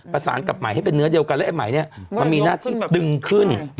ประสานกับใหม่ให้เป็นเนื้อเดียวกันแล้วไอ้ไหมเนี่ยมันมีหน้าที่ดึงขึ้น